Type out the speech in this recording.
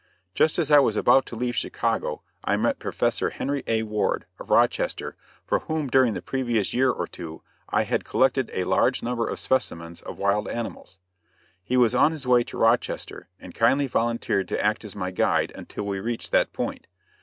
Just as I was about to leave Chicago I met Professor Henry A. Ward, of Rochester, for whom during the previous year or two I had collected a large number of specimens of wild animals. He was on his way to Rochester, and kindly volunteered to act as my guide until we reached that point.